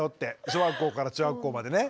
小学校から中学校までね。